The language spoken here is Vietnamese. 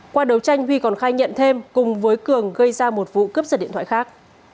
qua đấu tranh huy còn khai nhận thêm cùng với cường gây ra một vụ cướp giật điện thoại khác